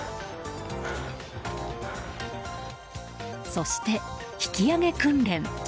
そして、引き上げ訓練。